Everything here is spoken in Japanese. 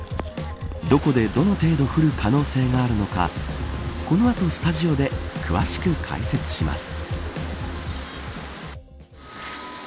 どこでどの程度降る可能性があるのかこの後、スタジオで詳しく解説します。